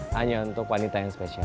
hanya untuk wanita yang spesial